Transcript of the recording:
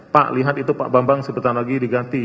pak lihat itu pak bambang sebentar lagi diganti